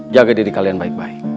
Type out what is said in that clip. jaga diri kalian baik baik